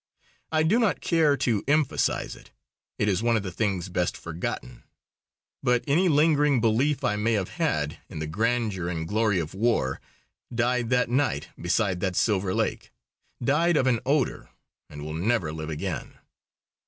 I do not care to emphasize it. It is one of the things best forgotten. But any lingering belief I may have had in the grandeur and glory of war died that night beside that silver lake died of an odour, and will never live again.